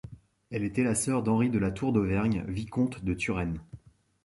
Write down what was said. Elle était la sœur d'Henri de La Tour d'Auvergne, vicomte de Turenne.